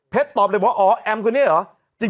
ตอบเลยว่าอ๋อแอมคนนี้เหรอ